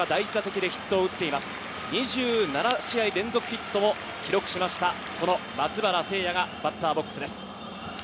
打席には２７試合連続ヒットを記録しました松原聖弥がバッターボックスです。